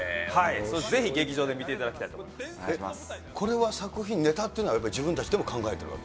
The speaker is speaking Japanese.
ぜひ、劇場で見ていただきたいとこれは作品、ネタっていうのは、自分たちでも考えてるわけ？